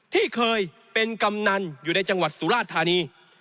ที่เคยเป็นกำนันอยู่ในจังหวัดสุราชธานี